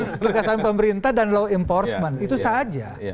ketegasan pemerintah dan law enforcement itu saja